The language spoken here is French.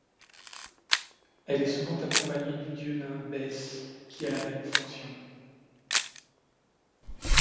Elle est souvent accompagnée du dieu nain Bès, qui a la même fonction.